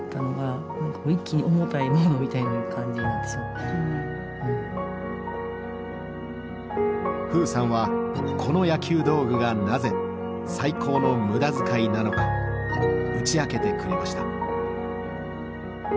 だからｆｕｕｕさんはこの野球道具がなぜ「最高の無駄遣い」なのか打ち明けてくれました。